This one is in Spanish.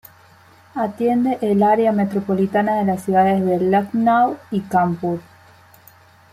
Atiende el área metropolitana de las ciudades de Lucknow y Kanpur.